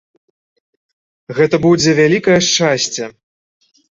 Гэта будзе вялікае шчасце.